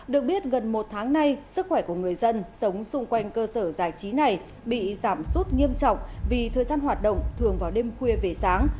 được biết gần một tháng nay sức khỏe của người dân sống xung quanh cơ sở giải trí này bị giảm sút nghiêm trọng vì thời gian hoạt động thường vào đêm khuya về sáng